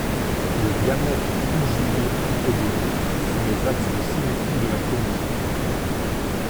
Les diamètres conjugués orthogonaux sont les axes de symétrie de la conique.